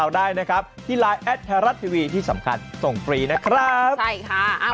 ได้นะครับที่ไลน์ที่สำคัญส่งฟรีนะครับใช่ค่ะอ่า